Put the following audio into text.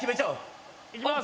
行きます。